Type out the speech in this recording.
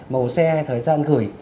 màu xe hay thời gian gửi